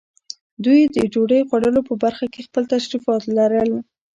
دوی د ډوډۍ خوړلو په برخه کې خپل تشریفات لرل.